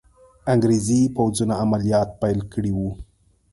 انګریزي پوځونو عملیات پیل کړي وو.